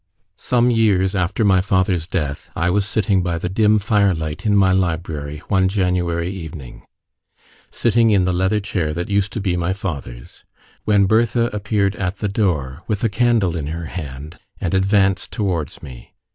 Some years after my father's death, I was sitting by the dim firelight in my library one January evening sitting in the leather chair that used to be my father's when Bertha appeared at the door, with a candle in her hand, and advanced towards me.